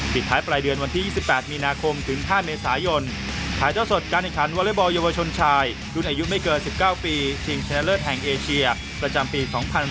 ปิดท้ายปลายเดือนวันที่๒๘มีนาคมถึง๕เมษายนถ่ายเจ้าสดการแข่งขันวอเล็กบอลเยาวชนชายรุ่นอายุไม่เกิน๑๙ปีชิงชนะเลิศแห่งเอเชียประจำปี๒๐๑๖